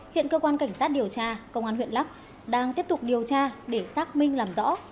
hiện cơ quan cảnh sát điều tra công an huyện lắc đang tiếp tục điều tra để xác minh làm rõ